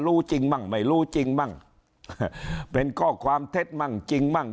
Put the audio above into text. รู้จริงมั่งไม่รู้จริงมั่งเป็นข้อความเท็จมั่งจริงมั่ง